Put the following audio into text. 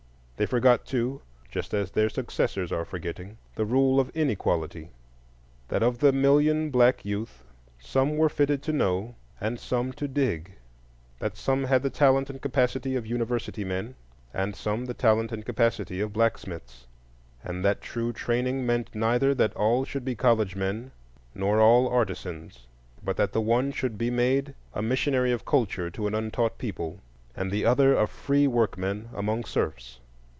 They forgot, too, just as their successors are forgetting, the rule of inequality:—that of the million black youth, some were fitted to know and some to dig; that some had the talent and capacity of university men, and some the talent and capacity of blacksmiths; and that true training meant neither that all should be college men nor all artisans, but that the one should be made a missionary of culture to an untaught people, and the other a free workman among serfs.